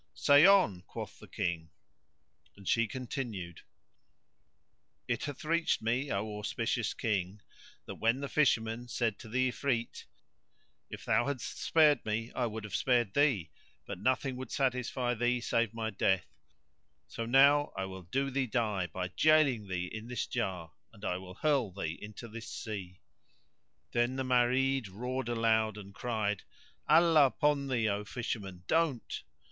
"Say on," quoth the King. And she continued:—It hath reached me, O auspicious King, that when the Fisherman said to the Ifrit, "If thou hadst spared me I would have spared thee, but nothing would satisfy thee save my death; so now I will do thee die by jailing thee in this jar and I will hurl thee into this sea." Then the Marid roared aloud and cried, "Allah upon thee, O Fisherman, don't!